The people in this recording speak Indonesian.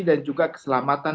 dan juga keselamatan